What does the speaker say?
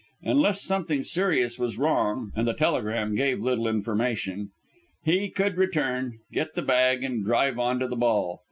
Unless something serious was wrong and the telegram gave little information he could return, get the bag and drive on to the ball.